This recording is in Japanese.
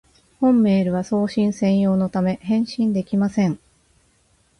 本メールは送信専用のため、返信できません